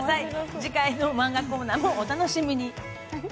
次回のマンガコーナーもお楽しみに！